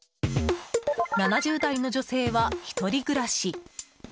７０代の女性は１人暮らし。